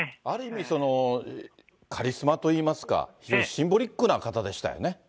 ある意味、カリスマといいますか、シンボリックな方でしたよね。